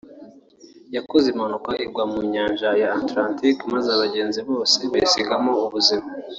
yakoze impanuka igwa mu Nyanja ya Atlantika maze abagenzi bose bayisigamo ubuzima